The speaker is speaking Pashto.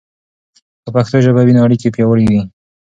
که پښتو ژبه وي، نو اړیکې پياوړي وي.